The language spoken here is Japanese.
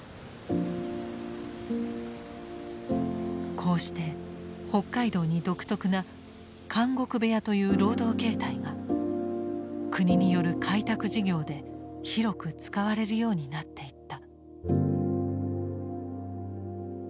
こうして北海道に独特な「監獄部屋」という労働形態が国による開拓事業で広く使われるようになっていった。